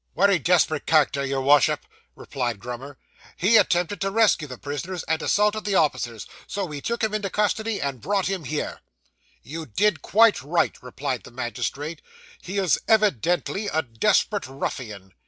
'Wery desp'rate ch'racter, your Wash up,' replied Grummer. 'He attempted to rescue the prisoners, and assaulted the officers; so we took him into custody, and brought him here.' 'You did quite right,' replied the magistrate. 'He is evidently a desperate ruffian.